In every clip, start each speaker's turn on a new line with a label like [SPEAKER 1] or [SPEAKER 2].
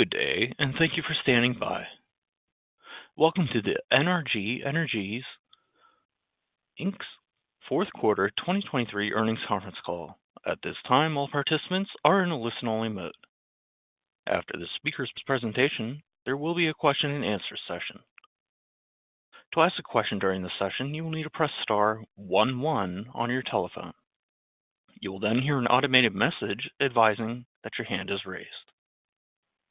[SPEAKER 1] Good day, and thank you for standing by. Welcome to the NRG Energy, Inc.'s fourth quarter 2023 earnings conference call. At this time, all participants are in a listen-only mode. After the speaker's presentation, there will be a question-and-answer session. To ask a question during the session, you will need to press * 11 on your telephone. You will then hear an automated message advising that your hand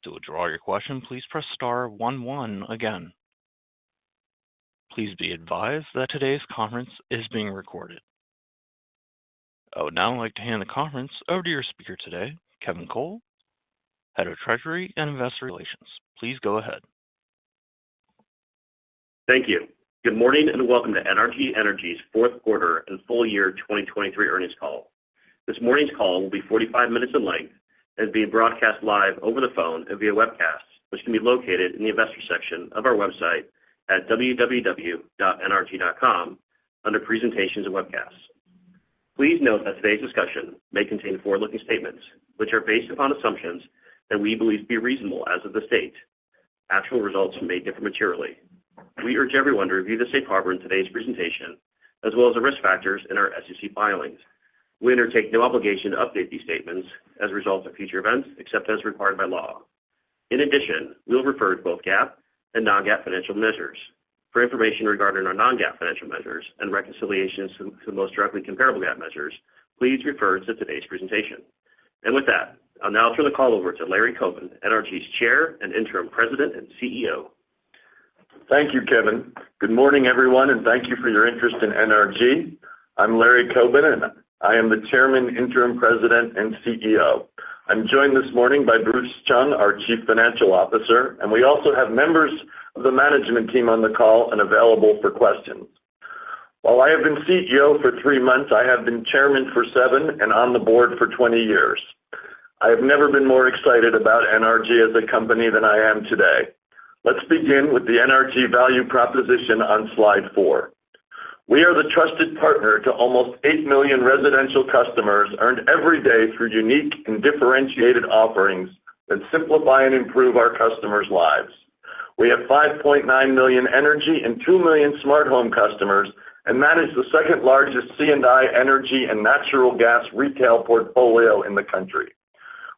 [SPEAKER 1] is raised. To withdraw your question, please press * 11 again. Please be advised that today's conference is being recorded. I would now like to hand the conference over to your speaker today, Kevin Cole, Head of Treasury and Investor Relations. Please go ahead.
[SPEAKER 2] Thank you. Good morning and welcome to NRG Energy's fourth quarter and full year 2023 earnings call. This morning's call will be 45 minutes in length and is being broadcast live over the phone and via webcasts, which can be located in the investor section of our website at www.nrg.com under presentations and webcasts. Please note that today's discussion may contain forward-looking statements which are based upon assumptions that we believe to be reasonable as of the date. Actual results may differ materially. We urge everyone to review the safe harbor in today's presentation, as well as the risk factors in our SEC filings. We undertake no obligation to update these statements as a result of future events, except as required by law. In addition, we will refer to both GAAP and non-GAAP financial measures. For information regarding our non-GAAP financial measures and reconciliations to the most directly comparable GAAP measures, please refer to today's presentation. With that, I'll now turn the call over to Larry Coben, NRG's chair and interim president and CEO.
[SPEAKER 3] Thank you, Kevin. Good morning, everyone, and thank you for your interest in NRG. I'm Larry Coben, and I am the Chairman, Interim President, and CEO. I'm joined this morning by Bruce Chung, our Chief Financial Officer, and we also have members of the management team on the call and available for questions. While I have been CEO for 3 months, I have been Chairman for 7 and on the board for 20 years. I have never been more excited about NRG as a company than I am today. Let's begin with the NRG value proposition on slide 4. We are the trusted partner to almost 8 million residential customers earned every day through unique and differentiated offerings that simplify and improve our customers' lives. We have 5.9 million energy and 2 million smart home customers, and that is the second largest C&I energy and natural gas retail portfolio in the country.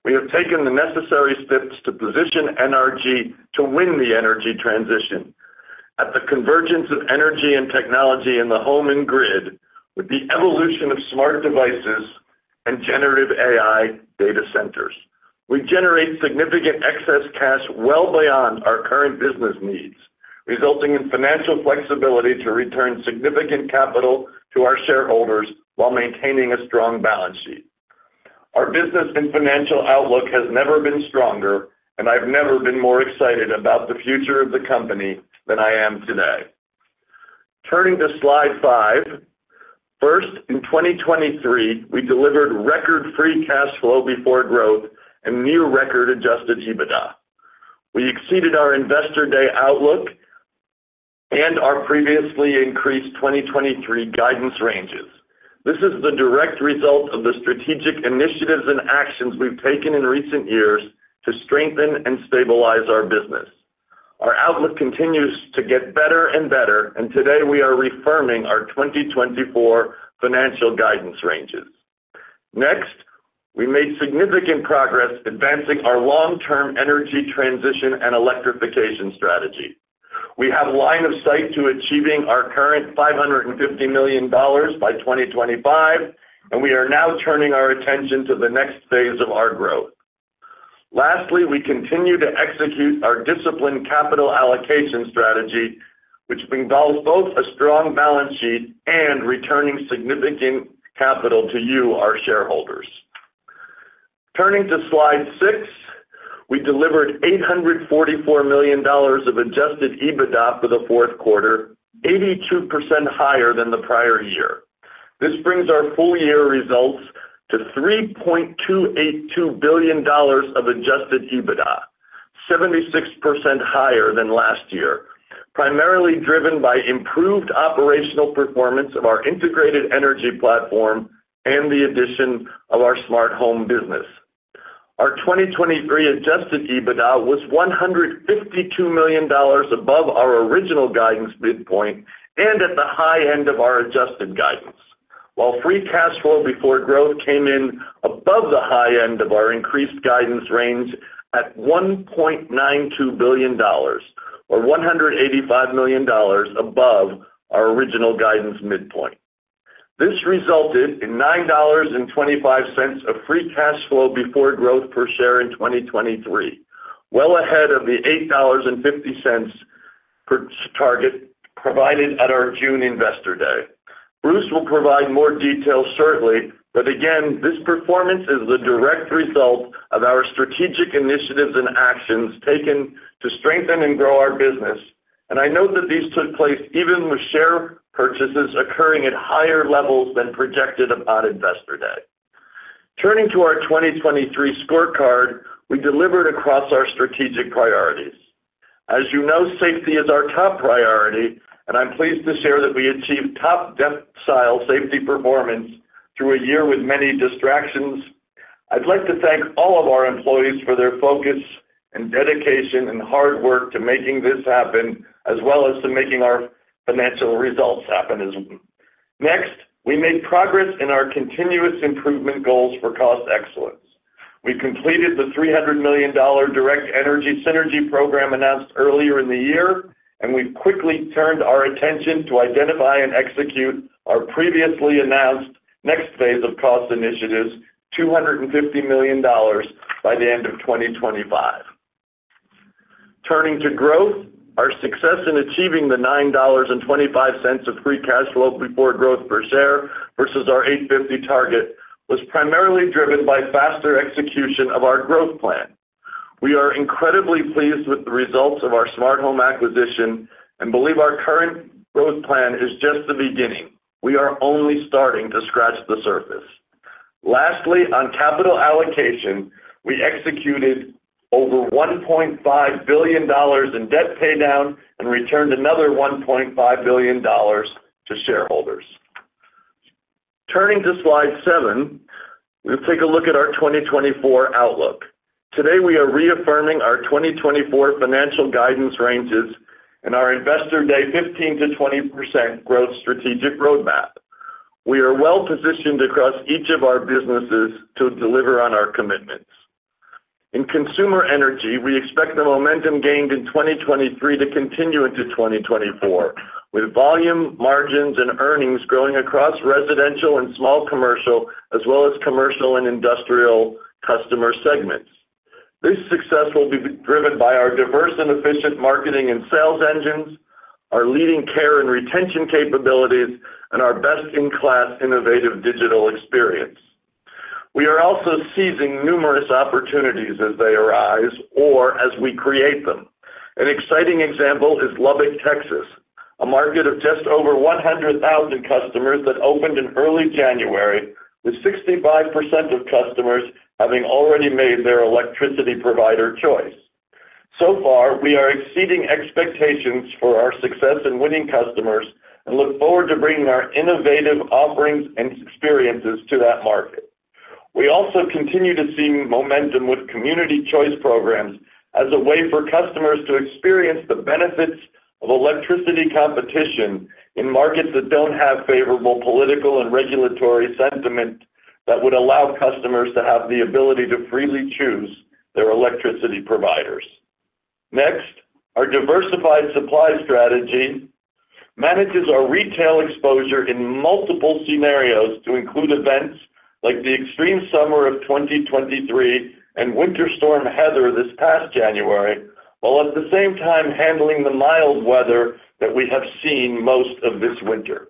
[SPEAKER 3] We have taken the necessary steps to position NRG to win the energy transition at the convergence of energy and technology in the home and grid with the evolution of smart devices and generative AI data centers. We generate significant excess cash well beyond our current business needs, resulting in financial flexibility to return significant capital to our shareholders while maintaining a strong balance sheet. Our business and financial outlook has never been stronger, and I've never been more excited about the future of the company than I am today. Turning to slide 5. First, in 2023, we delivered record free cash flow before growth and new record adjusted EBITDA. We exceeded our investor day outlook and our previously increased 2023 guidance ranges. This is the direct result of the strategic initiatives and actions we've taken in recent years to strengthen and stabilize our business. Our outlook continues to get better and better, and today we are refirming our 2024 financial guidance ranges. Next, we made significant progress advancing our long-term energy transition and electrification strategy. We have line of sight to achieving our current $550 million by 2025, and we are now turning our attention to the next phase of our growth. Lastly, we continue to execute our disciplined capital allocation strategy, which involves both a strong balance sheet and returning significant capital to you, our shareholders. Turning to slide six, we delivered $844 million of Adjusted EBITDA for the fourth quarter, 82% higher than the prior year. This brings our full year results to $3.282 billion of Adjusted EBITDA, 76% higher than last year, primarily driven by improved operational performance of our integrated energy platform and the addition of our smart home business. Our 2023 Adjusted EBITDA was $152 million above our original guidance midpoint and at the high end of our adjusted guidance, while free cash flow before growth came in above the high end of our increased guidance range at $1.92 billion, or $185 million above our original guidance midpoint. This resulted in $9.25 of free cash flow before growth per share in 2023, well ahead of the $8.50 target provided at our June investor day. Bruce will provide more details shortly, but again, this performance is the direct result of our strategic initiatives and actions taken to strengthen and grow our business, and I note that these took place even with share purchases occurring at higher levels than projected upon investor day. Turning to our 2023 scorecard, we delivered across our strategic priorities. As you know, safety is our top priority, and I'm pleased to share that we achieved top decile safety performance through a year with many distractions. I'd like to thank all of our employees for their focus and dedication and hard work to making this happen, as well as to making our financial results happen as well. Next, we made progress in our continuous improvement goals for cost excellence. We completed the $300 million Direct Energy synergy program announced earlier in the year, and we've quickly turned our attention to identify and execute our previously announced next phase of cost initiatives, $250 million, by the end of 2025. Turning to growth, our success in achieving the $9.25 of Free Cash Flow Before Growth per share versus our $850 target was primarily driven by faster execution of our growth plan. We are incredibly pleased with the results of our smart home acquisition and believe our current growth plan is just the beginning. We are only starting to scratch the surface. Lastly, on capital allocation, we executed over $1.5 billion in debt paydown and returned another $1.5 billion to shareholders. Turning to Slide 7, we'll take a look at our 2024 outlook. Today, we are reaffirming our 2024 financial guidance ranges and our investor day 15%-20% growth strategic roadmap. We are well positioned across each of our businesses to deliver on our commitments. In consumer energy, we expect the momentum gained in 2023 to continue into 2024, with volume, margins, and earnings growing across residential and small commercial, as well as commercial and industrial customer segments. This success will be driven by our diverse and efficient marketing and sales engines, our leading care and retention capabilities, and our best-in-class innovative digital experience. We are also seizing numerous opportunities as they arise or as we create them. An exciting example is Lubbock, Texas, a market of just over 100,000 customers that opened in early January, with 65% of customers having already made their electricity provider choice. So far, we are exceeding expectations for our success in winning customers and look forward to bringing our innovative offerings and experiences to that market. We also continue to see momentum with community choice programs as a way for customers to experience the benefits of electricity competition in markets that don't have favorable political and regulatory sentiment that would allow customers to have the ability to freely choose their electricity providers. Next, our diversified supply strategy manages our retail exposure in multiple scenarios to include events like the extreme summer of 2023 and Winter Storm Heather this past January, while at the same time handling the mild weather that we have seen most of this winter.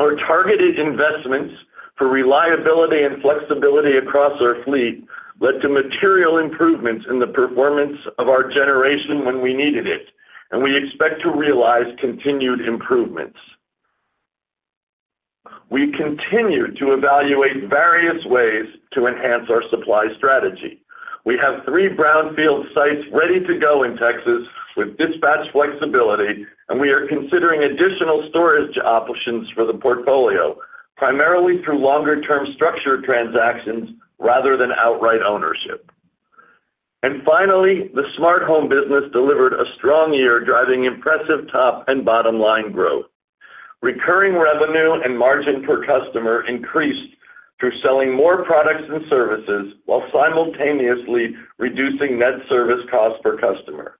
[SPEAKER 3] Our targeted investments for reliability and flexibility across our fleet led to material improvements in the performance of our generation when we needed it, and we expect to realize continued improvements. We continue to evaluate various ways to enhance our supply strategy. We have 3 brownfield sites ready to go in Texas with dispatch flexibility, and we are considering additional storage options for the portfolio, primarily through longer-term structured transactions rather than outright ownership. Finally, the smart home business delivered a strong year, driving impressive top and bottom line growth. Recurring revenue and margin per customer increased through selling more products and services while simultaneously reducing net service cost per customer.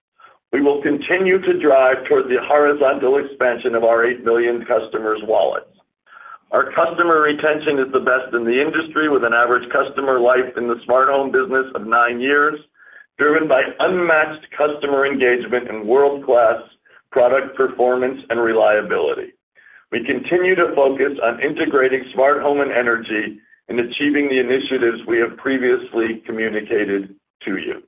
[SPEAKER 3] We will continue to drive toward the horizontal expansion of our 8 million customers' wallets. Our customer retention is the best in the industry, with an average customer life in the smart home business of 9 years, driven by unmatched customer engagement and world-class product performance and reliability. We continue to focus on integrating smart home and energy and achieving the initiatives we have previously communicated to you.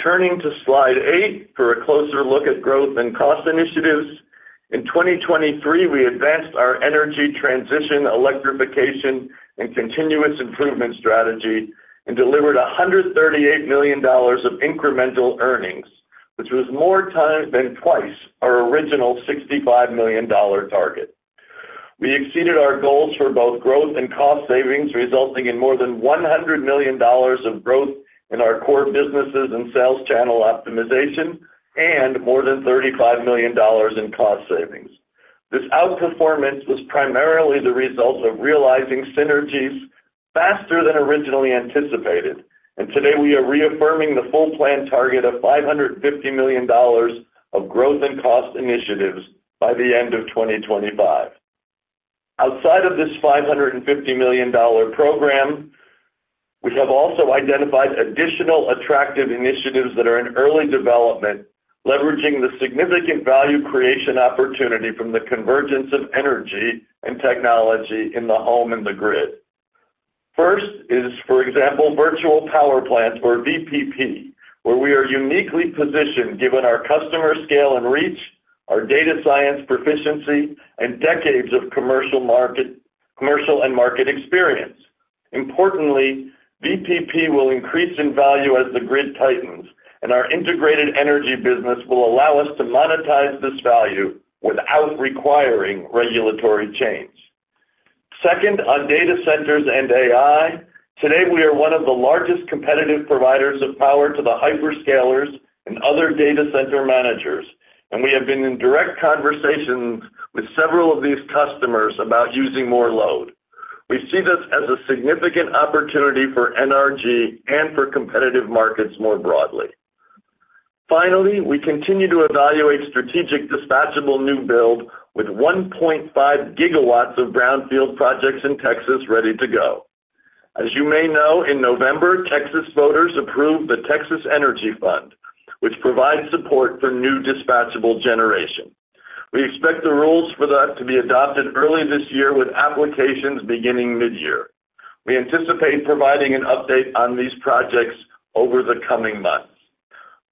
[SPEAKER 3] Turning to Slide 8 for a closer look at growth and cost initiatives. In 2023, we advanced our energy transition, electrification, and continuous improvement strategy and delivered $138 million of incremental earnings, which was more than twice our original $65 million target. We exceeded our goals for both growth and cost savings, resulting in more than $100 million of growth in our core businesses and sales channel optimization, and more than $35 million in cost savings. This outperformance was primarily the result of realizing synergies faster than originally anticipated, and today we are reaffirming the full plan target of $550 million of growth and cost initiatives by the end of 2025. Outside of this $550 million program, we have also identified additional attractive initiatives that are in early development, leveraging the significant value creation opportunity from the convergence of energy and technology in the home and the grid. First is, for example, virtual power plants, or VPP, where we are uniquely positioned given our customer scale and reach, our data science proficiency, and decades of commercial and market experience. Importantly, VPP will increase in value as the grid tightens, and our integrated energy business will allow us to monetize this value without requiring regulatory change. Second, on data centers and AI, today we are one of the largest competitive providers of power to the hyperscalers and other data center managers, and we have been in direct conversations with several of these customers about using more load. We see this as a significant opportunity for NRG and for competitive markets more broadly. Finally, we continue to evaluate strategic dispatchable new build with 1.5 GW of brownfield projects in Texas ready to go. As you may know, in November, Texas voters approved the Texas Energy Fund, which provides support for new dispatchable generation. We expect the rules for that to be adopted early this year, with applications beginning mid-year. We anticipate providing an update on these projects over the coming months.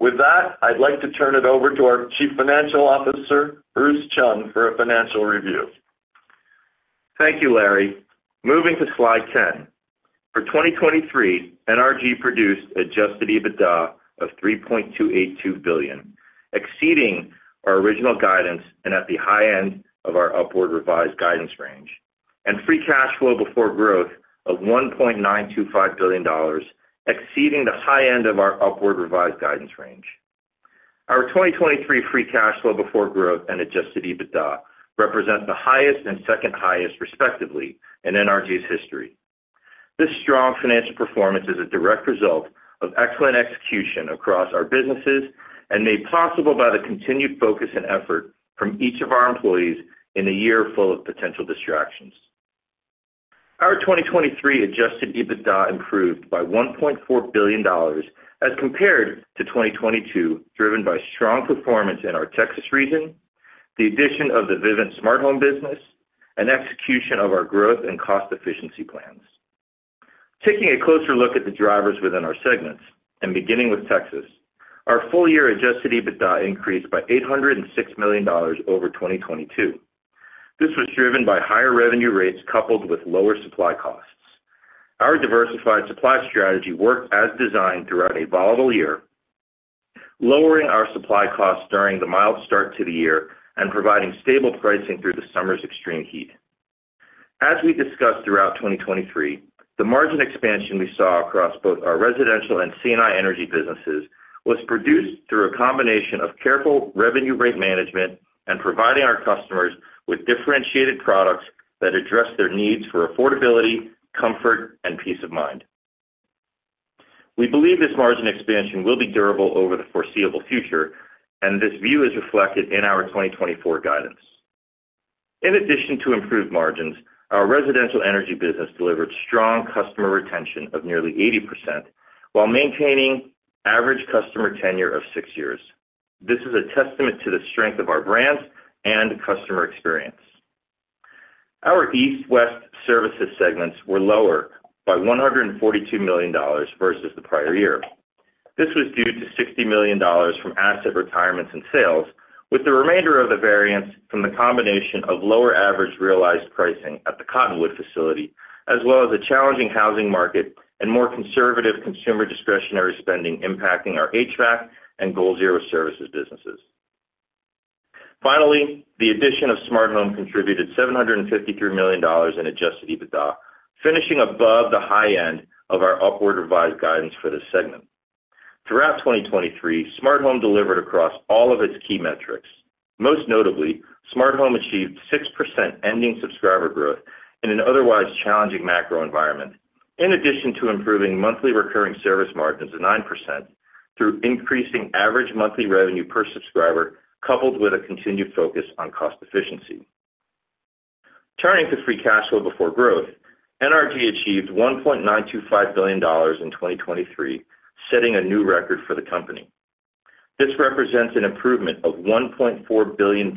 [SPEAKER 3] With that, I'd like to turn it over to our Chief Financial Officer, Bruce Chung, for a financial review.
[SPEAKER 4] Thank you, Larry. Moving to slide 10. For 2023, NRG produced Adjusted EBITDA of $3.282 billion, exceeding our original guidance and at the high end of our upward revised guidance range, and Free Cash Flow Before Growth of $1.925 billion, exceeding the high end of our upward revised guidance range. Our 2023 Free Cash Flow Before Growth and Adjusted EBITDA represent the highest and second highest, respectively, in NRG's history. This strong financial performance is a direct result of excellent execution across our businesses and made possible by the continued focus and effort from each of our employees in a year full of potential distractions. Our 2023 Adjusted EBITDA improved by $1.4 billion as compared to 2022, driven by strong performance in our Texas region, the addition of the Vivint Smart Home business, and execution of our growth and cost efficiency plans. Taking a closer look at the drivers within our segments and beginning with Texas, our full year adjusted EBITDA increased by $806 million over 2022. This was driven by higher revenue rates coupled with lower supply costs. Our diversified supply strategy worked as designed throughout a volatile year, lowering our supply costs during the mild start to the year and providing stable pricing through the summer's extreme heat. As we discussed throughout 2023, the margin expansion we saw across both our residential and C&I energy businesses was produced through a combination of careful revenue rate management and providing our customers with differentiated products that address their needs for affordability, comfort, and peace of mind. We believe this margin expansion will be durable over the foreseeable future, and this view is reflected in our 2024 guidance. In addition to improved margins, our residential energy business delivered strong customer retention of nearly 80% while maintaining average customer tenure of six years. This is a testament to the strength of our brands and customer experience. Our east-west services segments were lower by $142 million versus the prior year. This was due to $60 million from asset retirements and sales, with the remainder of the variance from the combination of lower average realized pricing at the Cottonwood facility, as well as a challenging housing market and more conservative consumer discretionary spending impacting our HVAC and Goal Zero services businesses. Finally, the addition of Smart Home contributed $753 million in Adjusted EBITDA, finishing above the high end of our upward revised guidance for this segment. Throughout 2023, Smart Home delivered across all of its key metrics. Most notably, smart home achieved 6% ending subscriber growth in an otherwise challenging macro environment, in addition to improving monthly recurring service margins of 9% through increasing average monthly revenue per subscriber coupled with a continued focus on cost efficiency. Turning to free cash flow before growth, NRG achieved $1.925 billion in 2023, setting a new record for the company. This represents an improvement of $1.4 billion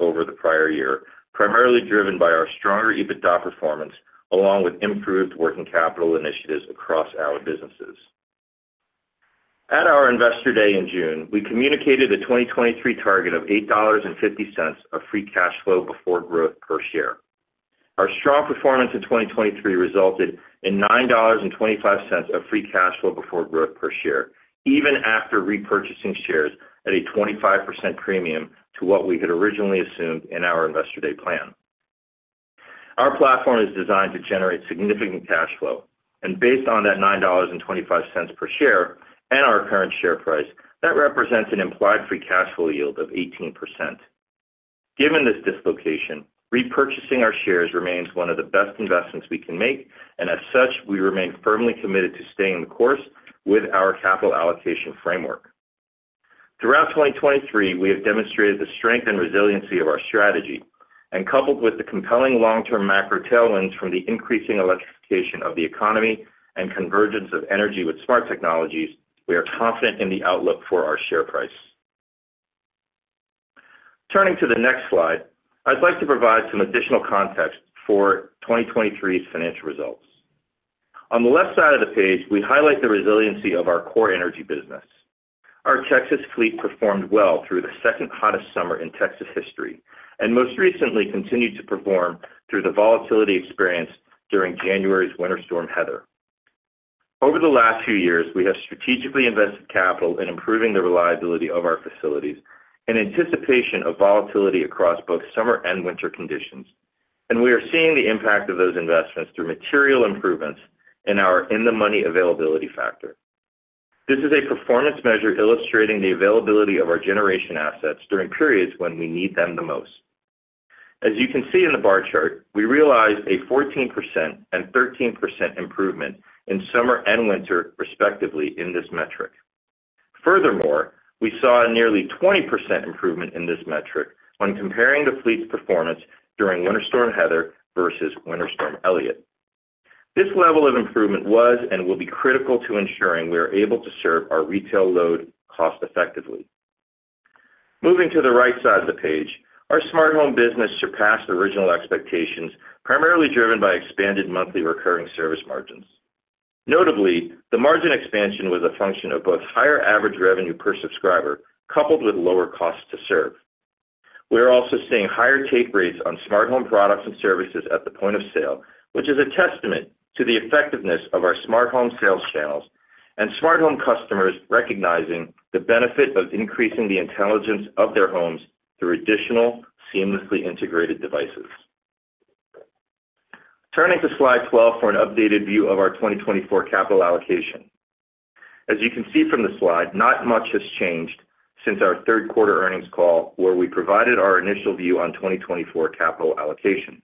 [SPEAKER 4] over the prior year, primarily driven by our stronger EBITDA performance along with improved working capital initiatives across our businesses. At our investor day in June, we communicated a 2023 target of $8.50 of free cash flow before growth per share. Our strong performance in 2023 resulted in $9.25 of free cash flow before growth per share, even after repurchasing shares at a 25% premium to what we had originally assumed in our investor day plan. Our platform is designed to generate significant cash flow, and based on that $9.25 per share and our current share price, that represents an implied free cash flow yield of 18%. Given this dislocation, repurchasing our shares remains one of the best investments we can make, and as such, we remain firmly committed to staying the course with our capital allocation framework. Throughout 2023, we have demonstrated the strength and resiliency of our strategy, and coupled with the compelling long-term macro tailwinds from the increasing electrification of the economy and convergence of energy with smart technologies, we are confident in the outlook for our share price. Turning to the next slide, I'd like to provide some additional context for 2023's financial results. On the left side of the page, we highlight the resiliency of our core energy business. Our Texas fleet performed well through the second hottest summer in Texas history and most recently continued to perform through the volatility experienced during January's Winter Storm Heather. Over the last few years, we have strategically invested capital in improving the reliability of our facilities in anticipation of volatility across both summer and winter conditions, and we are seeing the impact of those investments through material improvements in our In-the-Money Availability Factor. This is a performance measure illustrating the availability of our generation assets during periods when we need them the most. As you can see in the bar chart, we realized a 14% and 13% improvement in summer and winter, respectively, in this metric. Furthermore, we saw a nearly 20% improvement in this metric when comparing the fleet's performance during Winter Storm Heather versus Winter Storm Elliott. This level of improvement was and will be critical to ensuring we are able to serve our retail load cost-effectively. Moving to the right side of the page, our smart home business surpassed original expectations, primarily driven by expanded monthly recurring service margins. Notably, the margin expansion was a function of both higher average revenue per subscriber coupled with lower costs to serve. We are also seeing higher take rates on smart home products and services at the point of sale, which is a testament to the effectiveness of our smart home sales channels and smart home customers recognizing the benefit of increasing the intelligence of their homes through additional seamlessly integrated devices. Turning to slide 12 for an updated view of our 2024 capital allocation. As you can see from the slide, not much has changed since our third quarter earnings call where we provided our initial view on 2024 capital allocation.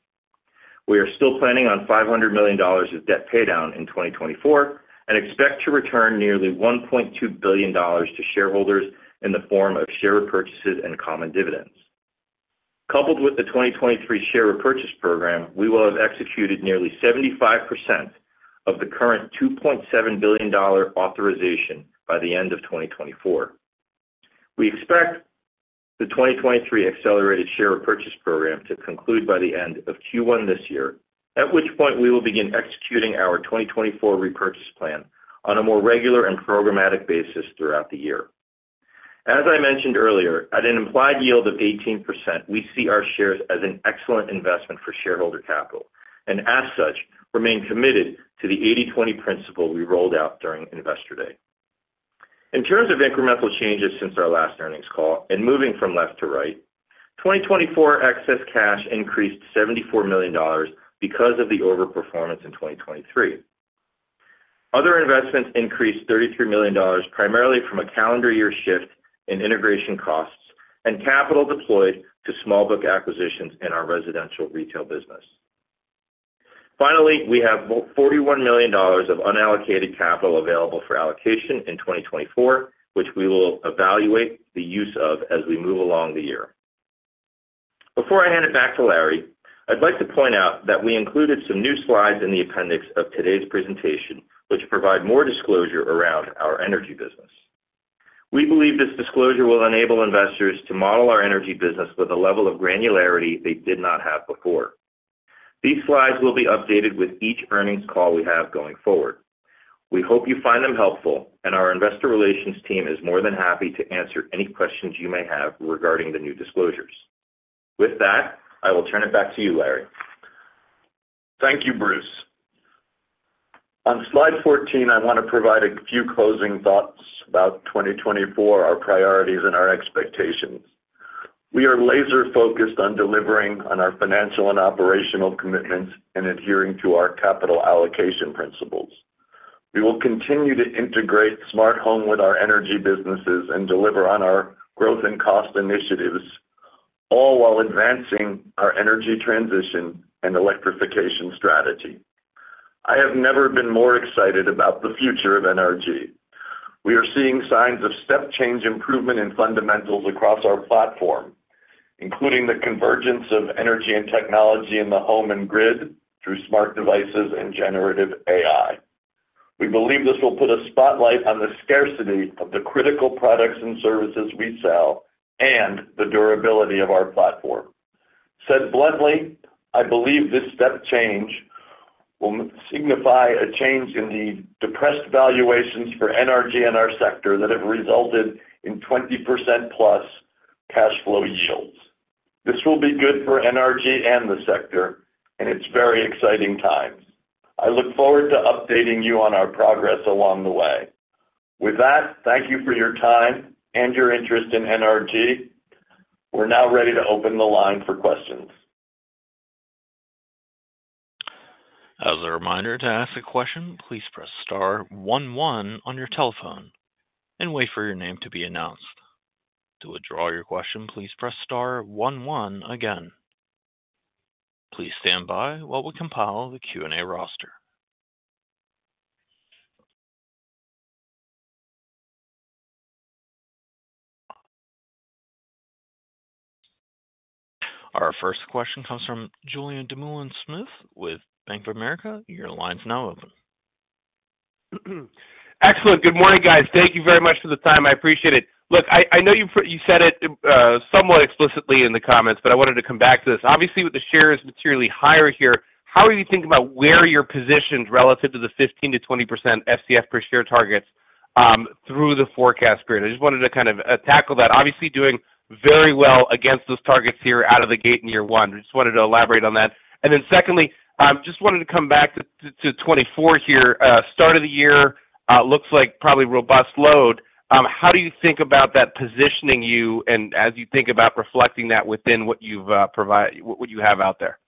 [SPEAKER 4] We are still planning on $500 million of debt paydown in 2024 and expect to return nearly $1.2 billion to shareholders in the form of share repurchases and common dividends. Coupled with the 2023 share repurchase program, we will have executed nearly 75% of the current $2.7 billion authorization by the end of 2024. We expect the 2023 accelerated share repurchase program to conclude by the end of Q1 this year, at which point we will begin executing our 2024 repurchase plan on a more regular and programmatic basis throughout the year. As I mentioned earlier, at an implied yield of 18%, we see our shares as an excellent investment for shareholder capital and, as such, remain committed to the 80/20 principle we rolled out during investor day. In terms of incremental changes since our last earnings call and moving from left to right, 2024 excess cash increased $74 million because of the overperformance in 2023. Other investments increased $33 million, primarily from a calendar year shift in integration costs and capital deployed to small book acquisitions in our residential retail business. Finally, we have $41 million of unallocated capital available for allocation in 2024, which we will evaluate the use of as we move along the year. Before I hand it back to Larry, I'd like to point out that we included some new slides in the appendix of today's presentation, which provide more disclosure around our energy business. We believe this disclosure will enable investors to model our energy business with a level of granularity they did not have before. These slides will be updated with each earnings call we have going forward. We hope you find them helpful, and our investor relations team is more than happy to answer any questions you may have regarding the new disclosures. With that, I will turn it back to you, Larry.
[SPEAKER 3] Thank you, Bruce. On Slide 14, I want to provide a few closing thoughts about 2024, our priorities, and our expectations. We are laser-focused on delivering on our financial and operational commitments and adhering to our capital allocation principles. We will continue to integrate smart home with our energy businesses and deliver on our growth and cost initiatives, all while advancing our energy transition and electrification strategy. I have never been more excited about the future of NRG. We are seeing signs of step-change improvement in fundamentals across our platform, including the convergence of energy and technology in the home and grid through smart devices and generative AI. We believe this will put a spotlight on the scarcity of the critical products and services we sell and the durability of our platform. Said bluntly, I believe this step-change will signify a change in the depressed valuations for NRG and our sector that have resulted in 20%+ cash flow yields. This will be good for NRG and the sector in its very exciting times. I look forward to updating you on our progress along the way. With that, thank you for your time and your interest in NRG. We're now ready to open the line for questions.
[SPEAKER 1] As a reminder to ask a question, please press * 11 on your telephone and wait for your name to be announced. To withdraw your question, please press * 11 again. Please stand by while we compile the Q&A roster. Our first question comes from Julien Dumoulin-Smith with Bank of America. Your line's now open.
[SPEAKER 5] Excellent. Good morning, guys. Thank you very much for the time. I appreciate it. Look, I know you said it somewhat explicitly in the comments, but I wanted to come back to this. Obviously, with the shares materially higher here, how are you thinking about where you're positioned relative to the 15%-20% FCF per share targets through the forecast grid? I just wanted to kind of tackle that. Obviously, doing very well against those targets here out of the gate in year one. I just wanted to elaborate on that. And then secondly, just wanted to come back to 2024 here. Start of the year, looks like probably robust load. How do you think about that positioning you and as you think about reflecting that within what you have out there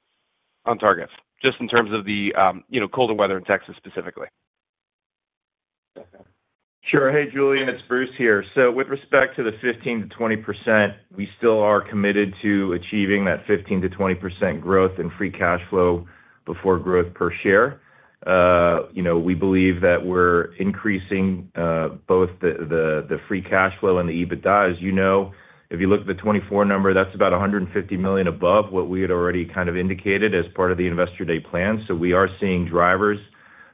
[SPEAKER 5] on targets, just in terms of the colder weather in Texas specifically?
[SPEAKER 4] Sure. Hey, Julien. It's Bruce here. So with respect to the 15%-20%, we still are committed to achieving that 15%-20% growth in free cash flow before growth per share. We believe that we're increasing both the free cash flow and the EBITDA. As you know, if you look at the 2024 number, that's about $150 million above what we had already kind of indicated as part of the investor day plan. So we are seeing drivers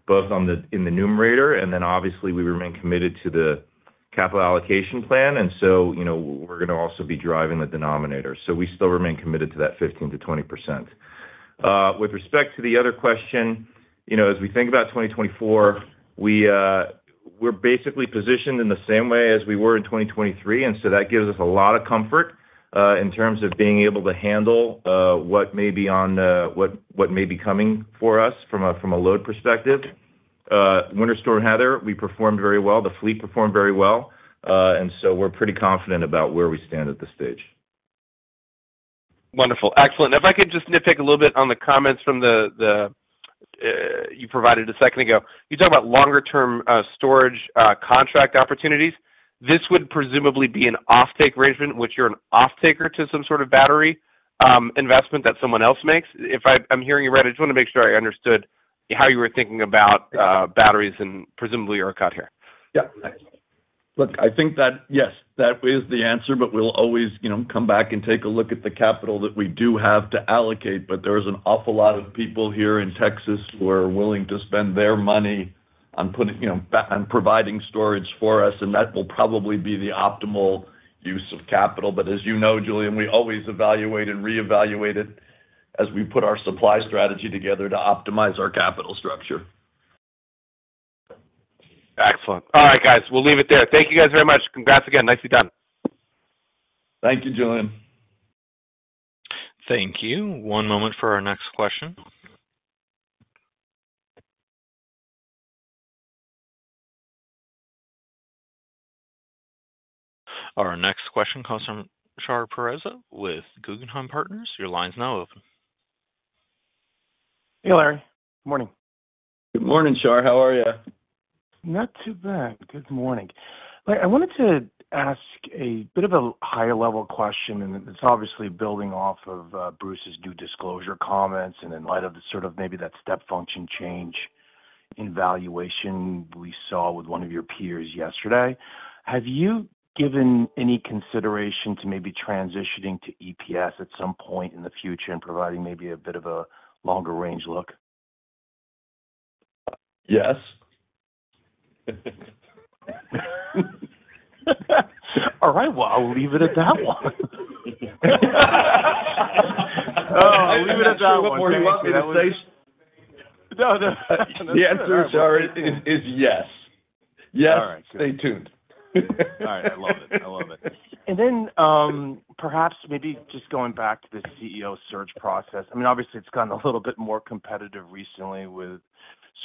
[SPEAKER 4] both in the numerator, and then obviously, we remain committed to the capital allocation plan. And so we're going to also be driving the denominator. So we still remain committed to that 15%-20%. With respect to the other question, as we think about 2024, we're basically positioned in the same way as we were in 2023. So that gives us a lot of comfort in terms of being able to handle what may be coming for us from a load perspective. Winter Storm Heather, we performed very well. The fleet performed very well. So we're pretty confident about where we stand at this stage.
[SPEAKER 5] Wonderful. Excellent. If I could just nitpick a little bit on the comments that you provided a second ago. You talk about longer-term storage contract opportunities. This would presumably be an offtake arrangement, which you're an offtaker to some sort of battery investment that someone else makes. If I'm hearing you right, I just want to make sure I understood how you were thinking about batteries, and presumably, you're acting here.
[SPEAKER 4] Yeah. Look, I think that yes, that is the answer. But we'll always come back and take a look at the capital that we do have to allocate. But there is an awful lot of people here in Texas who are willing to spend their money on providing storage for us, and that will probably be the optimal use of capital. But as you know, Julien, we always evaluate and reevaluate it as we put our supply strategy together to optimize our capital structure.
[SPEAKER 5] Excellent. All right, guys. We'll leave it there. Thank you guys very much. Congrats again. Nicely done.
[SPEAKER 4] Thank you, Julien.
[SPEAKER 1] Thank you. One moment for our next question. Our next question comes from Shar Pourreza with Guggenheim Partners. Your line's now open.
[SPEAKER 6] Hey, Larry. Good morning.
[SPEAKER 3] Good morning, Shar. How are you?
[SPEAKER 6] Not too bad. Good morning. I wanted to ask a bit of a higher-level question, and it's obviously building off of Bruce's new disclosure comments. And in light of sort of maybe that step function change in valuation we saw with one of your peers yesterday, have you given any consideration to maybe transitioning to EPS at some point in the future and providing maybe a bit of a longer-range look?
[SPEAKER 3] Yes.
[SPEAKER 6] All right. Well, I'll leave it at that one.
[SPEAKER 3] Oh, I'll leave it at that one.
[SPEAKER 4] What more do you want me to say?
[SPEAKER 3] No, no. The answer, Shar, is yes. Yes. Stay tuned.
[SPEAKER 6] All right. I love it. I love it. And then perhaps maybe just going back to the CEO search process, I mean, obviously, it's gotten a little bit more competitive recently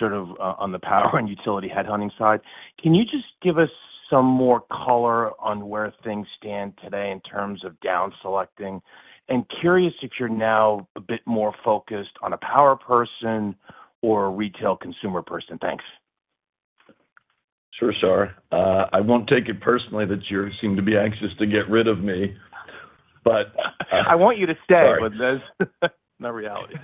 [SPEAKER 6] on the power and utility headhunting side. Can you just give us some more color on where things stand today in terms of down-selecting? And curious if you're now a bit more focused on a power person or a retail consumer person? Thanks.
[SPEAKER 4] Sure, Shar. I won't take it personally that you seem to be anxious to get rid of me, but.
[SPEAKER 6] I want you to stay, but that's not reality.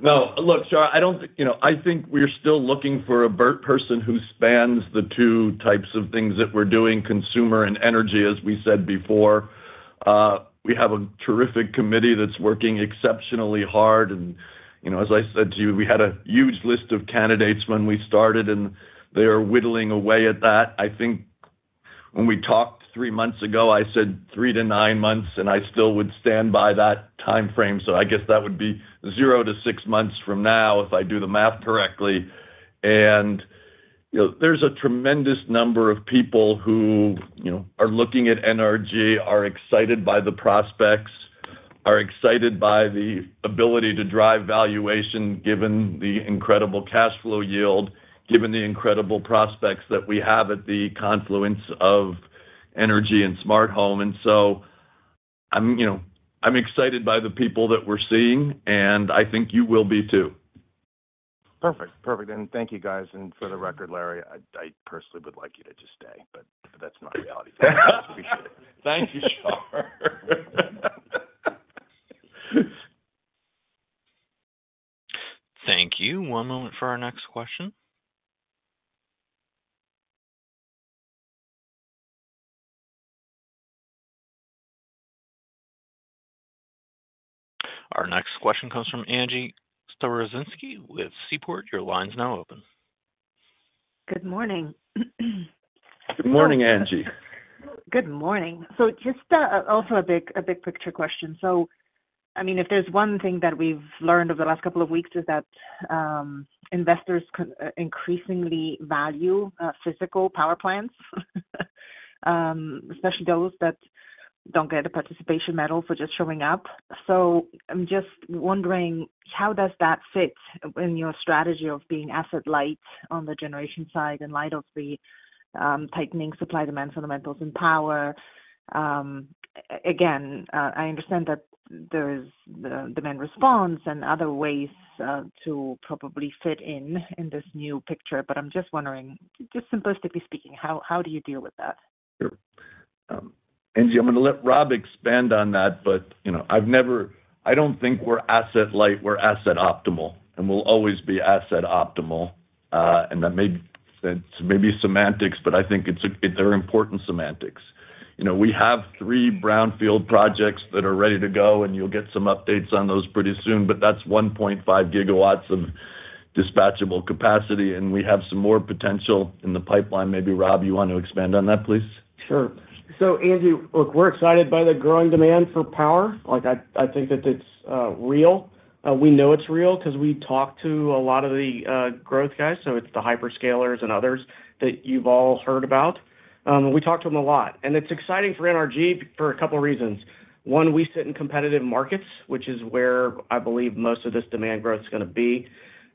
[SPEAKER 4] No, look, Shar, I think we're still looking for a hybrid person who spans the two types of things that we're doing, consumer and energy, as we said before. We have a terrific committee that's working exceptionally hard. And as I said to you, we had a huge list of candidates when we started, and they are whittling away at that. I think when we talked three months ago, I said three to nine months, and I still would stand by that time frame. So I guess that would be zero to six months from now if I do the math correctly. And there's a tremendous number of people who are looking at NRG, are excited by the prospects, are excited by the ability to drive valuation given the incredible cash flow yield, given the incredible prospects that we have at the confluence of energy and smart home.
[SPEAKER 6] So I'm excited by the people that we're seeing, and I think you will be too. Perfect. Perfect. Thank you, guys. For the record, Larry, I personally would like you to just stay, but that's not reality. I appreciate it.
[SPEAKER 3] Thank you, Shar.
[SPEAKER 1] Thank you. One moment for our next question. Our next question comes from Angie Storozynski with Seaport. Your line's now open.
[SPEAKER 7] Good morning.
[SPEAKER 3] Good morning, Angie.
[SPEAKER 7] Good morning. So just also a big picture question. So I mean, if there's one thing that we've learned over the last couple of weeks, is that investors increasingly value physical power plants, especially those that don't get a participation medal for just showing up. So I'm just wondering, how does that fit in your strategy of being asset-light on the generation side in light of the tightening supply demand fundamentals in power? Again, I understand that there is demand response and other ways to probably fit in this new picture, but I'm just wondering, just simplistically speaking, how do you deal with that?
[SPEAKER 4] Sure. Angie, I'm going to let Rob expand on that, but I don't think we're asset-light. We're asset-optimal, and we'll always be asset-optimal. And that may be semantics, but I think they're important semantics. We have three brownfield projects that are ready to go, and you'll get some updates on those pretty soon. But that's 1.5 gigawatts of dispatchable capacity, and we have some more potential in the pipeline. Maybe, Rob, you want to expand on that, please?
[SPEAKER 8] Sure. So Angie, look, we're excited by the growing demand for power. I think that it's real. We know it's real because we talk to a lot of the growth guys, so it's the hyperscalers and others that you've all heard about. We talk to them a lot. And it's exciting for NRG for a couple of reasons. One, we sit in competitive markets, which is where I believe most of this demand growth is going to be.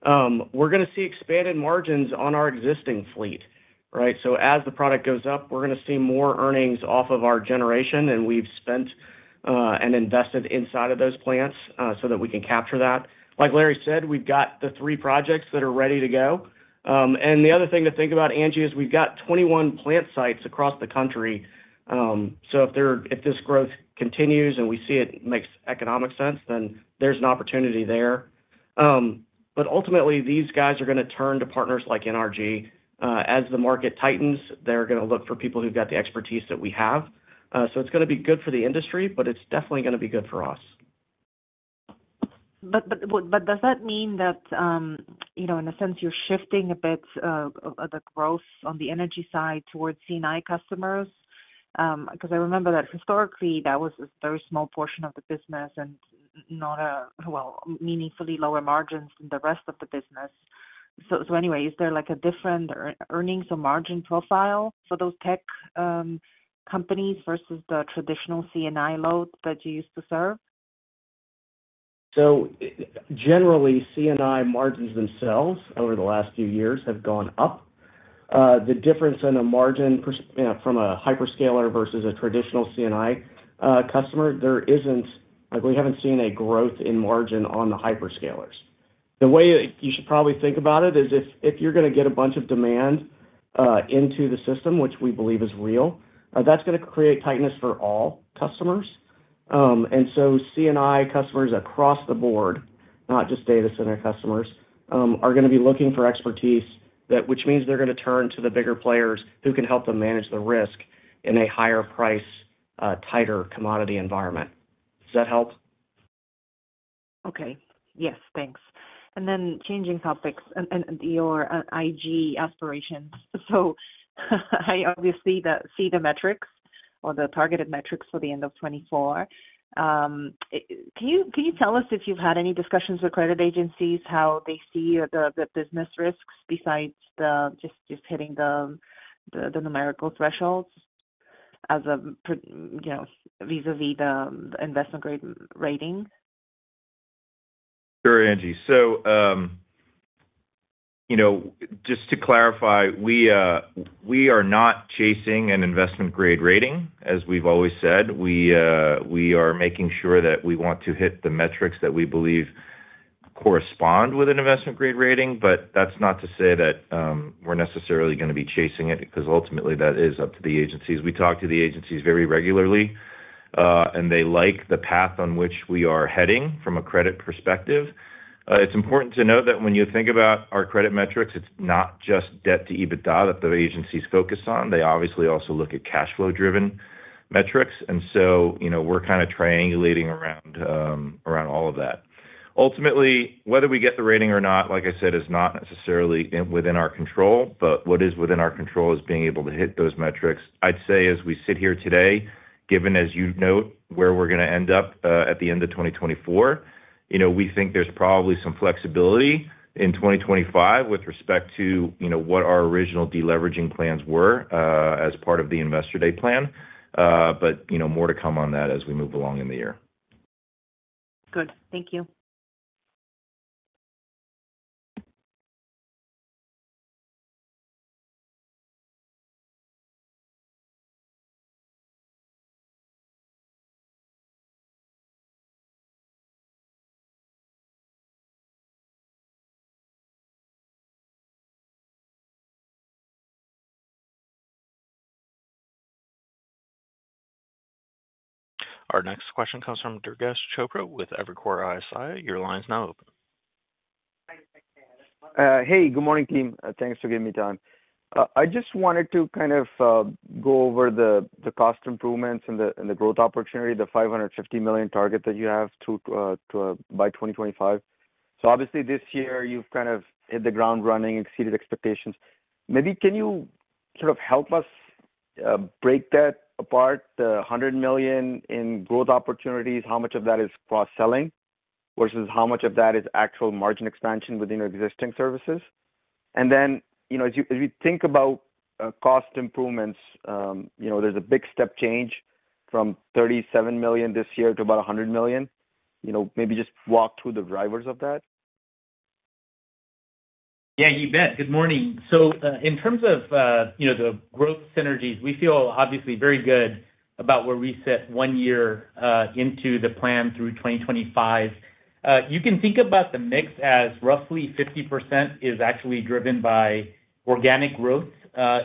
[SPEAKER 8] We're going to see expanded margins on our existing fleet, right? So as the product goes up, we're going to see more earnings off of our generation, and we've spent and invested inside of those plants so that we can capture that. Like Larry said, we've got the three projects that are ready to go. And the other thing to think about, Angie, is we've got 21 plant sites across the country. So if this growth continues and we see it makes economic sense, then there's an opportunity there. But ultimately, these guys are going to turn to partners like NRG. As the market tightens, they're going to look for people who've got the expertise that we have. So it's going to be good for the industry, but it's definitely going to be good for us.
[SPEAKER 7] But does that mean that, in a sense, you're shifting a bit the growth on the energy side towards C&I customers? Because I remember that historically, that was a very small portion of the business and not, well, meaningfully lower margins than the rest of the business. So anyway, is there a different earnings or margin profile for those tech companies versus the traditional C&I load that you used to serve?
[SPEAKER 8] Generally, C&I margins themselves over the last few years have gone up. The difference in a margin from a hyperscaler versus a traditional C&I customer, we haven't seen a growth in margin on the hyperscalers. The way that you should probably think about it is if you're going to get a bunch of demand into the system, which we believe is real, that's going to create tightness for all customers. And so C&I customers across the board, not just data center customers, are going to be looking for expertise, which means they're going to turn to the bigger players who can help them manage the risk in a higher-price, tighter commodity environment. Does that help?
[SPEAKER 7] Okay. Yes. Thanks. And then changing topics and your IG aspirations. So I obviously see the metrics or the targeted metrics for the end of 2024. Can you tell us if you've had any discussions with credit agencies, how they see the business risks besides just hitting the numerical thresholds vis-à-vis the investment-grade rating?
[SPEAKER 4] Sure, Angie. So just to clarify, we are not chasing an investment-grade rating, as we've always said. We are making sure that we want to hit the metrics that we believe correspond with an investment-grade rating. But that's not to say that we're necessarily going to be chasing it because ultimately, that is up to the agencies. We talk to the agencies very regularly, and they like the path on which we are heading from a credit perspective. It's important to note that when you think about our credit metrics, it's not just debt to EBITDA that the agencies focus on. They obviously also look at cash flow-driven metrics. And so we're kind of triangulating around all of that. Ultimately, whether we get the rating or not, like I said, is not necessarily within our control. But what is within our control is being able to hit those metrics. I'd say as we sit here today, given, as you note, where we're going to end up at the end of 2024, we think there's probably some flexibility in 2025 with respect to what our original deleveraging plans were as part of the investor day plan. But more to come on that as we move along in the year.
[SPEAKER 1] Good. Thank you. Our next question comes from Durgesh Chopra with Evercore ISI. Your line's now open.
[SPEAKER 9] Hey, good morning, team. Thanks for giving me time. I just wanted to kind of go over the cost improvements and the growth opportunity, the $550 million target that you have by 2025. So obviously, this year, you've kind of hit the ground running, exceeded expectations. Maybe can you sort of help us break that apart, the $100 million in growth opportunities, how much of that is cross-selling versus how much of that is actual margin expansion within your existing services? And then as we think about cost improvements, there's a big step change from $37 million this year to about $100 million. Maybe just walk through the drivers of that.
[SPEAKER 10] Yeah, you bet. Good morning. So in terms of the growth synergies, we feel obviously very good about where we sit one year into the plan through 2025. You can think about the mix as roughly 50% is actually driven by organic growth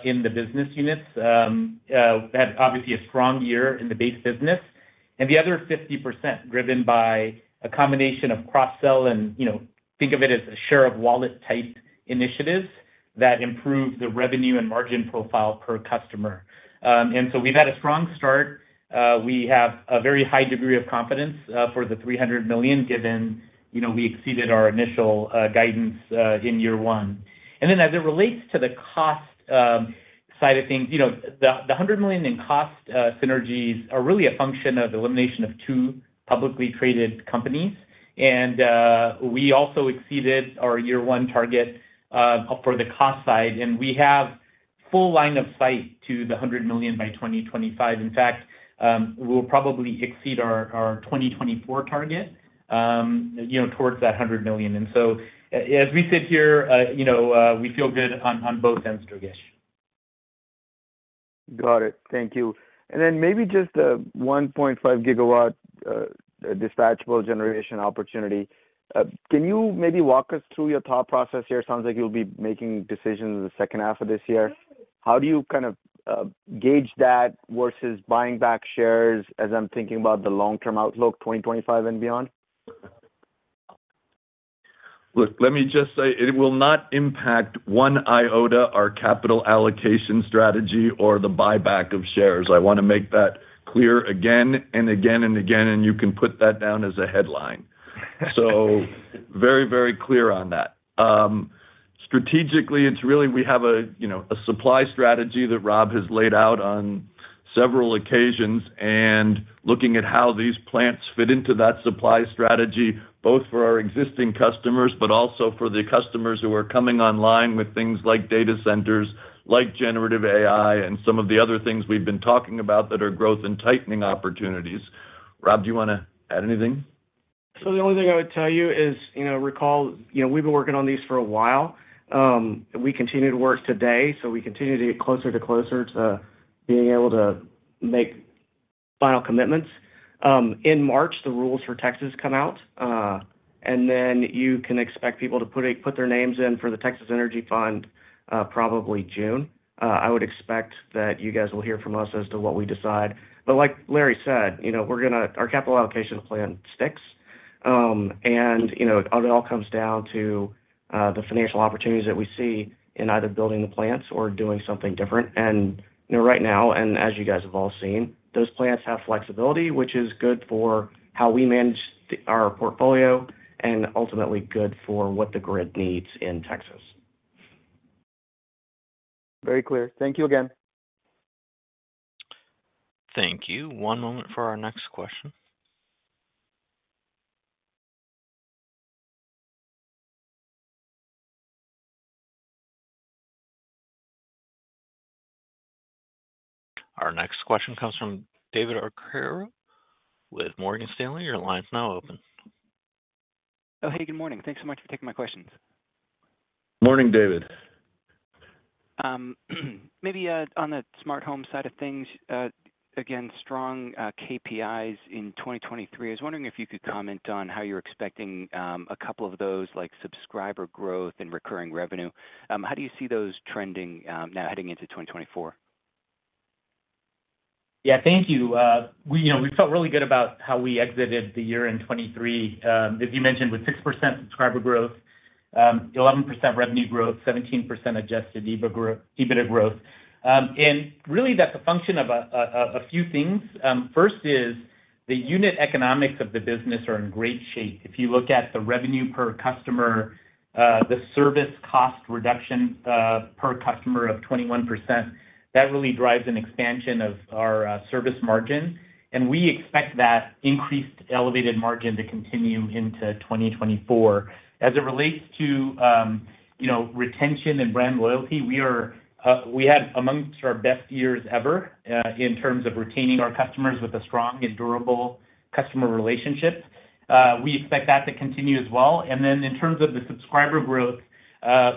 [SPEAKER 10] in the business units, obviously a strong year in the base business, and the other 50% driven by a combination of cross-sell and think of it as a share-of-wallet type initiatives that improve the revenue and margin profile per customer. And so we've had a strong start. We have a very high degree of confidence for the $300 million given we exceeded our initial guidance in year one. And then as it relates to the cost side of things, the $100 million in cost synergies are really a function of elimination of two publicly traded companies. We also exceeded our year-one target for the cost side, and we have full line of sight to the $100 million by 2025. In fact, we'll probably exceed our 2024 target towards that $100 million. And so as we sit here, we feel good on both ends, Durgesh.
[SPEAKER 9] Got it. Thank you. And then maybe just the 1.5 gigawatt dispatchable generation opportunity. Can you maybe walk us through your thought process here? It sounds like you'll be making decisions in the second half of this year. How do you kind of gauge that versus buying back shares as I'm thinking about the long-term outlook, 2025 and beyond?
[SPEAKER 4] Look, let me just say it will not impact one iota our capital allocation strategy or the buyback of shares. I want to make that clear again and again and again, and you can put that down as a headline. So very, very clear on that. Strategically, it's really we have a supply strategy that Rob has laid out on several occasions. And looking at how these plants fit into that supply strategy, both for our existing customers but also for the customers who are coming online with things like data centers, like generative AI, and some of the other things we've been talking about that are growth and tightening opportunities. Rob, do you want to add anything?
[SPEAKER 8] So the only thing I would tell you is recall, we've been working on these for a while. We continue to work today, so we continue to get closer to closer to being able to make final commitments. In March, the rules for Texas come out, and then you can expect people to put their names in for the Texas Energy Fund probably June. I would expect that you guys will hear from us as to what we decide. But like Larry said, our capital allocation plan sticks, and it all comes down to the financial opportunities that we see in either building the plants or doing something different. And right now, and as you guys have all seen, those plants have flexibility, which is good for how we manage our portfolio and ultimately good for what the grid needs in Texas.
[SPEAKER 9] Very clear. Thank you again.
[SPEAKER 1] Thank you. One moment for our next question. Our next question comes from David Arcaro with Morgan Stanley. Your line's now open.
[SPEAKER 11] Oh, hey. Good morning. Thanks so much for taking my questions.
[SPEAKER 4] Morning, David.
[SPEAKER 3] Maybe on the smart home side of things, again, strong KPIs in 2023. I was wondering if you could comment on how you're expecting a couple of those like subscriber growth and recurring revenue? How do you see those trending now heading into 2024?
[SPEAKER 10] Yeah, thank you. We felt really good about how we exited the year in 2023, as you mentioned, with 6% subscriber growth, 11% revenue growth, 17% Adjusted EBITDA growth. And really, that's a function of a few things. First is the unit economics of the business are in great shape. If you look at the revenue per customer, the service cost reduction per customer of 21%, that really drives an expansion of our service margin. And we expect that increased, elevated margin to continue into 2024. As it relates to retention and brand loyalty, we had amongst our best years ever in terms of retaining our customers with a strong and durable customer relationship. We expect that to continue as well. And then in terms of the subscriber growth,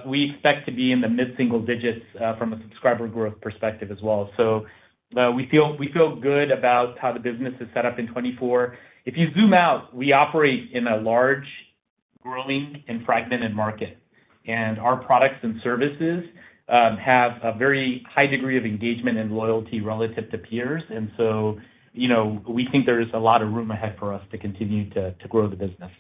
[SPEAKER 10] we expect to be in the mid-single digits from a subscriber growth perspective as well. So we feel good about how the business is set up in 2024. If you zoom out, we operate in a large, growing, and fragmented market. And our products and services have a very high degree of engagement and loyalty relative to peers. And so we think there's a lot of room ahead for us to continue to grow the business.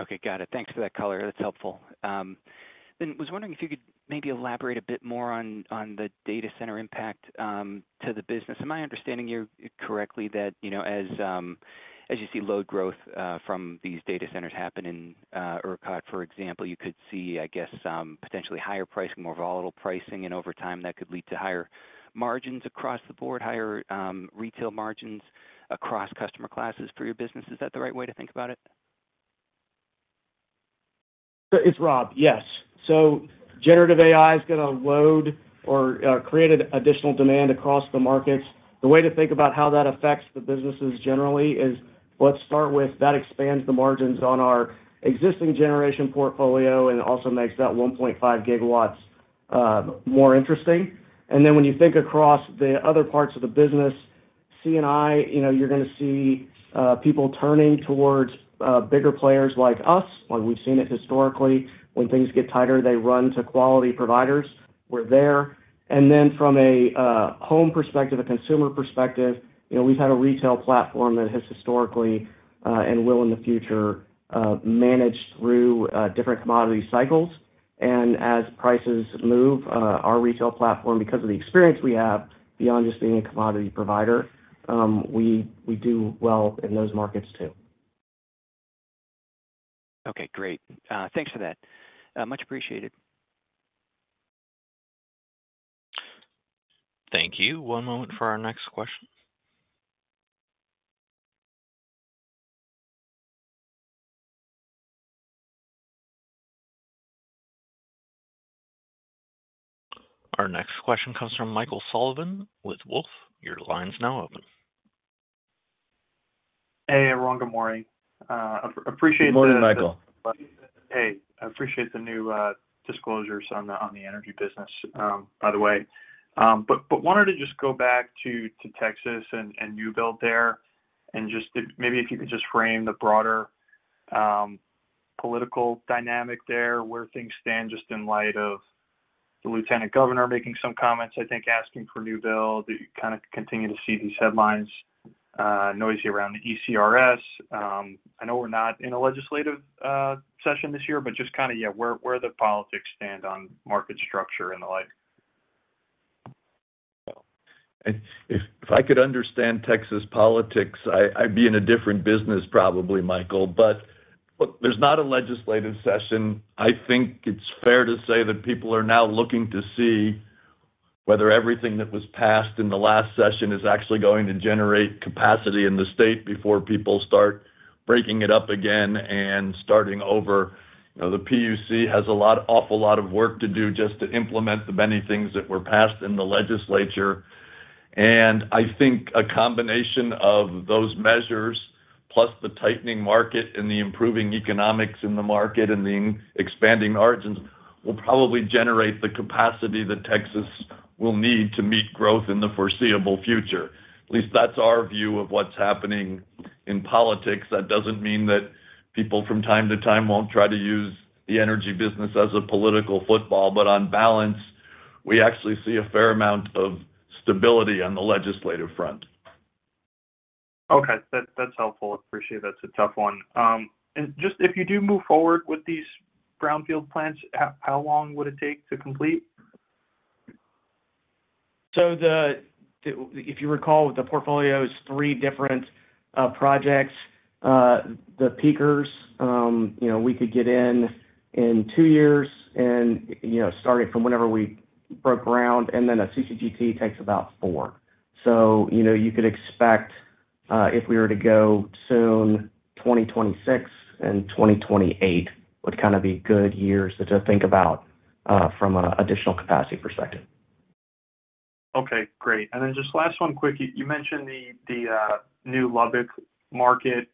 [SPEAKER 12] Okay. Got it. Thanks for that color. That's helpful. Then I was wondering if you could maybe elaborate a bit more on the data center impact to the business. Am I understanding you correctly that as you see load growth from these data centers happen in ERCOT, for example, you could see, I guess, potentially higher pricing, more volatile pricing, and over time, that could lead to higher margins across the board, higher retail margins across customer classes for your business? Is that the right way to think about it?
[SPEAKER 8] It's, Rob. Yes. So generative AI is going to load or create additional demand across the markets. The way to think about how that affects the businesses generally is let's start with that expands the margins on our existing generation portfolio and also makes that 1.5 GW more interesting. And then when you think across the other parts of the business, C&I, you're going to see people turning towards bigger players like us. We've seen it historically. When things get tighter, they run to quality providers. We're there. And then from a home perspective, a consumer perspective, we've had a retail platform that has historically and will in the future manage through different commodity cycles. And as prices move, our retail platform, because of the experience we have beyond just being a commodity provider, we do well in those markets too.
[SPEAKER 1] Okay. Great. Thanks for that. Much appreciated. Thank you. One moment for our next question. Our next question comes from Michael Sullivan with Wolfe. Your line's now open.
[SPEAKER 11] Hey, Larry. Good morning. Appreciate the.
[SPEAKER 3] Morning, Michael.
[SPEAKER 13] Hey. I appreciate the new disclosures on the energy business, by the way. But wanted to just go back to Texas and New Build there and just maybe if you could just frame the broader political dynamic there, where things stand just in light of the lieutenant governor making some comments, I think, asking for New Build. You kind of continue to see these headlines noisy around the ERCOT. I know we're not in a legislative session this year, but just kind of, yeah, where the politics stand on market structure and the like.
[SPEAKER 4] If I could understand Texas politics, I'd be in a different business probably, Michael. But there's not a legislative session. I think it's fair to say that people are now looking to see whether everything that was passed in the last session is actually going to generate capacity in the state before people start breaking it up again and starting over. The PUC has an awful lot of work to do just to implement the many things that were passed in the legislature. And I think a combination of those measures, plus the tightening market and the improving economics in the market and the expanding margins, will probably generate the capacity that Texas will need to meet growth in the foreseeable future. At least that's our view of what's happening in politics. That doesn't mean that people from time to time won't try to use the energy business as a political football. But on balance, we actually see a fair amount of stability on the legislative front.
[SPEAKER 13] Okay. That's helpful. Appreciate that. It's a tough one. And just if you do move forward with these Brownfield plants, how long would it take to complete?
[SPEAKER 10] So if you recall, the portfolio is 3 different projects. The Peakers, we could get in in 2 years and starting from whenever we broke ground, and then a CCGT takes about 4. So you could expect if we were to go soon, 2026 and 2028 would kind of be good years to think about from an additional capacity perspective.
[SPEAKER 11] Okay. Great. And then just last one, quick. You mentioned the new Lubbock market.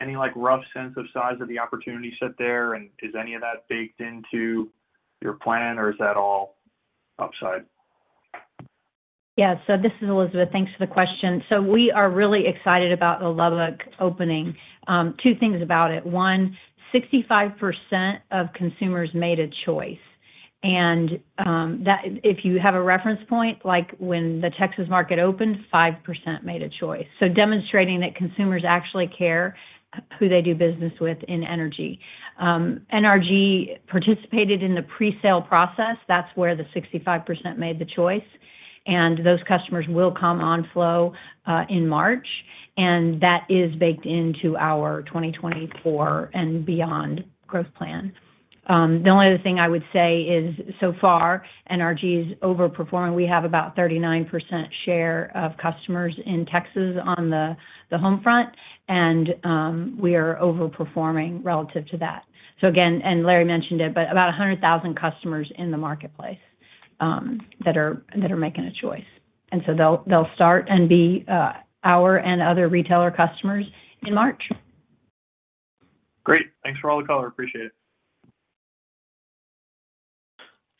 [SPEAKER 11] Any rough sense of size of the opportunity set there, and is any of that baked into your plan, or is that all upside?
[SPEAKER 14] Yeah. So this is Elizabeth. Thanks for the question. So we are really excited about the Lubbock opening. Two things about it. One, 65% of consumers made a choice. And if you have a reference point, when the Texas market opened, 5% made a choice. So demonstrating that consumers actually care who they do business with in energy. NRG participated in the presale process. That's where the 65% made the choice. And those customers will come online in March. And that is baked into our 2024 and beyond growth plan. The only other thing I would say is so far, NRG is overperforming. We have about 39% share of customers in Texas on the home front, and we are overperforming relative to that. And Larry mentioned it, but about 100,000 customers in the marketplace that are making a choice. So they'll start and be our other retailer customers in March.
[SPEAKER 11] Great. Thanks for all the color. Appreciate it.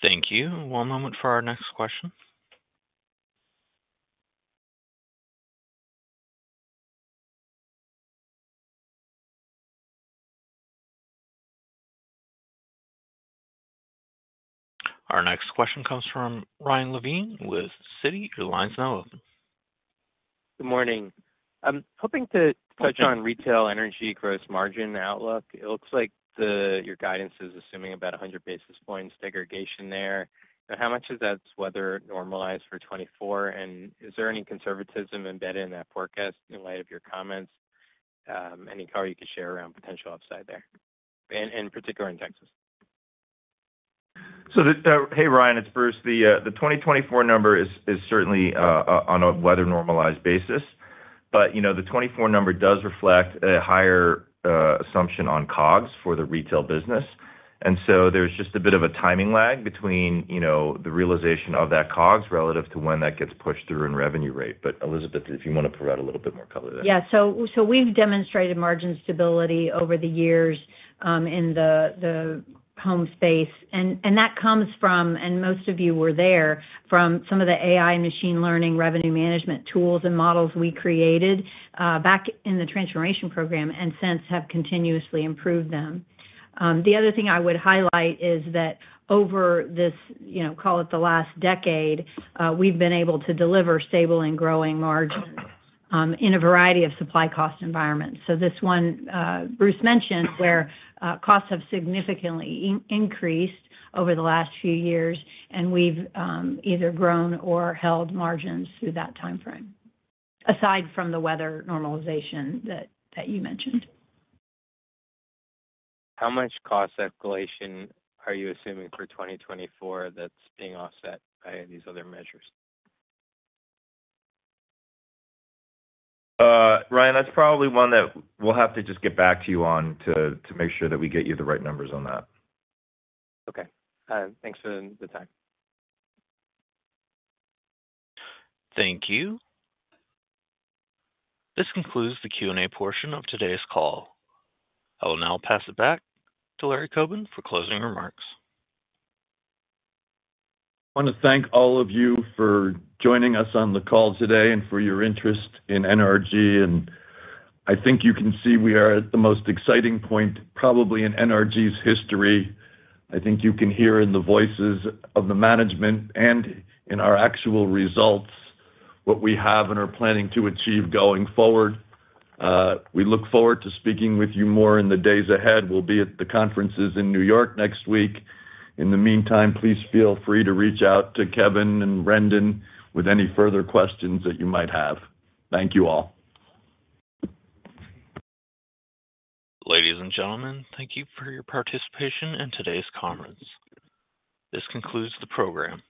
[SPEAKER 1] Thank you. One moment for our next question. Our next question comes from Ryan Levine with Citi. Your line's now open.
[SPEAKER 15] Good morning. I'm hoping to touch on retail energy gross margin outlook. It looks like your guidance is assuming about 100 basis points degradation there. How much does that weather-normalize for 2024, and is there any conservatism embedded in that forecast in light of your comments? Any color you could share around potential upside there, in particular in Texas?
[SPEAKER 4] So, hey, Ryan. It's Bruce. The 2024 number is certainly on a weather-normalized basis. But the 2024 number does reflect a higher assumption on COGS for the retail business. And so there's just a bit of a timing lag between the realization of that COGS relative to when that gets pushed through in revenue rate. But Elizabeth, if you want to provide a little bit more color there.
[SPEAKER 14] Yeah. So we've demonstrated margin stability over the years in the home space. And that comes from, and most of you were there, from some of the AI and machine learning revenue management tools and models we created back in the transformation program and since have continuously improved them. The other thing I would highlight is that over this, call it the last decade, we've been able to deliver stable and growing margins in a variety of supply cost environments. So this one Bruce mentioned where costs have significantly increased over the last few years, and we've either grown or held margins through that timeframe, aside from the weather normalization that you mentioned.
[SPEAKER 15] How much cost escalation are you assuming for 2024 that's being offset by these other measures?
[SPEAKER 4] Ryan, that's probably one that we'll have to just get back to you on to make sure that we get you the right numbers on that.
[SPEAKER 15] Okay. Thanks for the time.
[SPEAKER 1] Thank you. This concludes the Q&A portion of today's call. I will now pass it back to Larry Coben for closing remarks.
[SPEAKER 4] I want to thank all of you for joining us on the call today and for your interest in NRG. I think you can see we are at the most exciting point probably in NRG's history. I think you can hear in the voices of the management and in our actual results what we have and are planning to achieve going forward. We look forward to speaking with you more in the days ahead. We'll be at the conferences in New York next week. In the meantime, please feel free to reach out to Kevin and Brendan with any further questions that you might have. Thank you all.
[SPEAKER 1] Ladies and gentlemen, thank you for your participation in today's conference. This concludes the program.